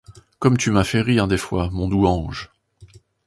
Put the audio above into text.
Comme tu m'as fait rire des fois, mon doux ange!